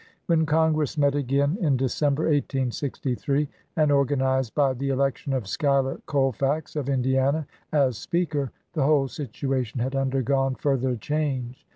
When Congress met again in December, 1863, and organized by the election of Schuyler Colfax of Indiana as Speaker, the whole situation had undergone further change.